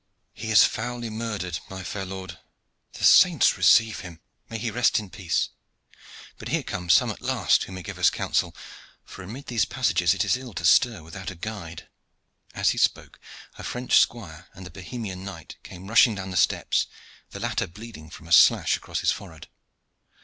"He is foully murdered, my fair lord." "The saints receive him! May he rest in peace! But here come some at last who may give us counsel, for amid these passages it is ill to stir without a guide." As he spoke, a French squire and the Bohemian knight came rushing down the steps, the latter bleeding from a slash across his forehead.